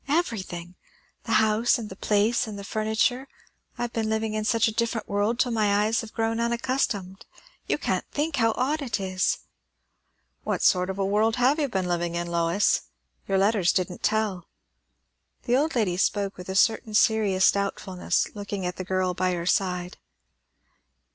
"Everything! The house, and the place, and the furniture I have been living in such a different world till my eyes have grown unaccustomed. You can't think how odd it is." "What sort of a world have you been living in, Lois? Your letters didn't tell." The old lady spoke with a certain serious doubtfulness, looking at the girl by her side.